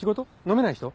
飲めない人？